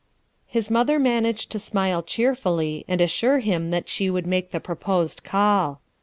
His mother managed to smile cheerfully, and assure him that she would make the pro posed call.